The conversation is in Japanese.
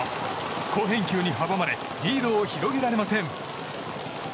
好返球に阻まれリードを広げられません。